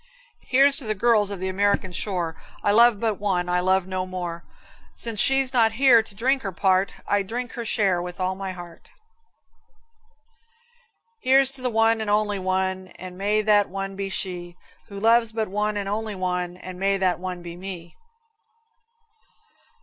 Here's to the girls of the American shore; I love but one, I love no mare. Since she's not here to drink her part, I drink her share with all my heart. Here's to one and only one, And may that one be she Who loves but one and only one, And may that one be me.